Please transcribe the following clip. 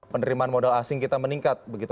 penerimaan modal asing kita meningkat begitu